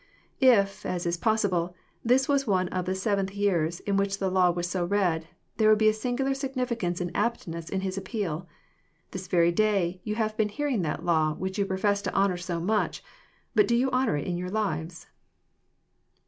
If, as is possible, this was one of the seventh years in which the law was so read, there would be a singular significance and aptness in His appeal. "This very day you have been hearing that law, which you profess to honour so much. But do you honour it in your lives